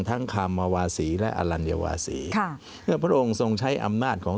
คามวาศีและอลัญวาศีค่ะเมื่อพระองค์ทรงใช้อำนาจของ